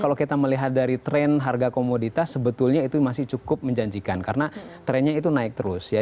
kalau kita melihat dari tren harga komoditas sebetulnya itu masih cukup menjanjikan karena trennya itu naik terus ya